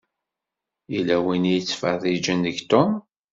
Yella win i yettfeṛṛiǧen deg Tom.